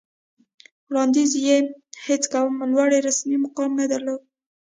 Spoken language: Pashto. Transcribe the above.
وړاندې یې هېڅ کوم لوړ رسمي مقام نه درلود